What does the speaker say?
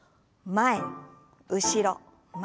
前後ろ前。